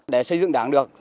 để xây dựng đảng được